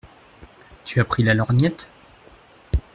Tu as pris la lorgnette ?